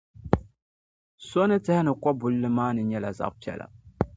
So ni tɛhi ni kɔbulli maa ni nyɛla zabipiɛla.